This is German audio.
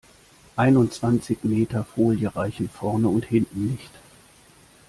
Einundzwanzig Meter Folie reichen vorne und hinten nicht.